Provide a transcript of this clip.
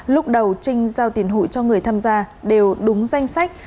lúc đầu trinh giao tiền hụi cho người tham gia đều đúng danh sách